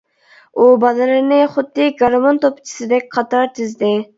ئۇ بالىلىرىنى خۇددى گارمون توپچىسىدەك قاتار تىزدى.